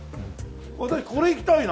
俺これいきたいな。